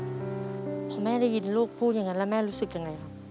พอแม่ได้ยินลูกพูดอย่างนั้นแล้วแม่รู้สึกยังไงครับ